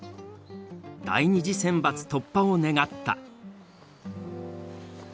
第２次選抜突破を願った。